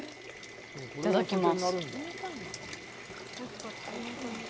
いただきます。